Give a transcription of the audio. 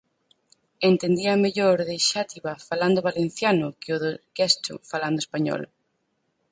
Entendía mellor o de Xátiva falando valenciano que o de Getxo falando español